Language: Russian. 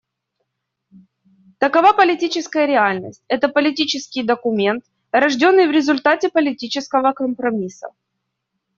Такова политическая реальность: это политический документ, рожденный в результате политического компромисса.